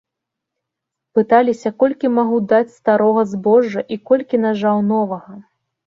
Пыталіся, колькі магу даць старога збожжа і колькі нажаў новага.